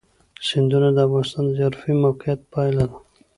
سیندونه د افغانستان د جغرافیایي موقیعت پایله ده.